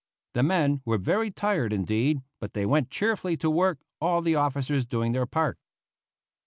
The men were very tired indeed, but they went cheerfully to work, all the officers doing their part.